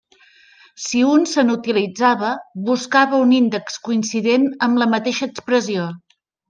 Si un se n'utilitzava, buscava un índex coincident amb la mateixa expressió.